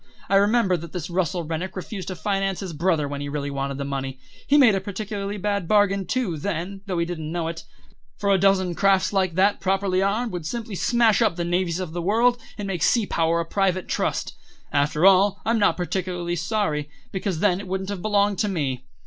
I remember that this Russell Rennick refused to finance his brother when he really wanted the money. He made a particularly bad bargain, too, then, though he didn't know it; for a dozen crafts like that, properly armed, would simply smash up the navies of the world, and make sea power a private trust. After all, I'm not particularly sorry, because then it wouldn't have belonged to me.